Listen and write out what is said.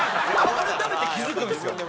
改めて気づくんですよ。